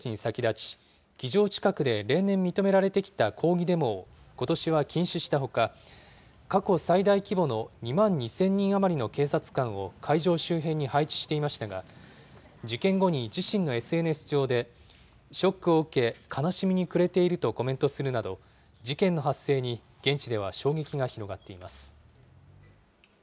マルコス大統領は施政方針演説に先立ち、議場近くで例年認められてきた抗議デモをことしは禁止したほか、過去最大規模の２万２０００人余りの警察官を会場周辺に配置していましたが、事件後に自身のＳＮＳ上で、ショックを受け、悲しみに暮れているとコメントするなど、事件の発生に現地では衝撃が広がっています。